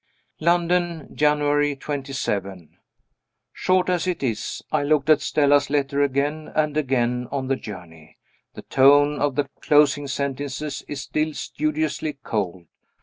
London, January 27. Short as it is, I looked at Stella's letter again and again on the journey. The tone of the closing sentences is still studiously cold.